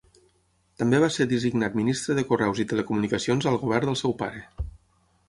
També va ser designat ministre de Correus i Telecomunicacions al govern del seu pare.